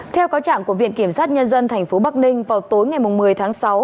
theo cáo trạng của viện kiểm sát nhân dân tp bắc ninh vào tối ngày một mươi tháng sáu